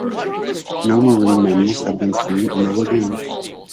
No marine mammals have been seen in the lagoon.